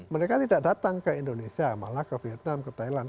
mereka tidak datang ke indonesia malah ke vietnam ke thailand